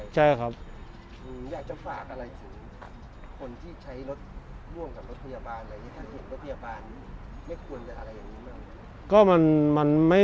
จุดประสงค์นี้คือพยายามตามตรูรถที่ไทย